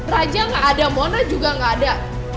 raja gak ada mona juga nggak ada